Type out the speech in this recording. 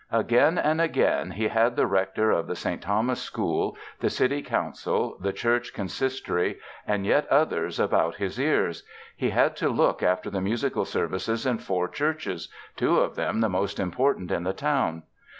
Again and again he had the rector of the St. Thomas School, the city council, the church Consistory, and yet others about his ears. He had to look after the musical services in four churches, two of them the most important in the town.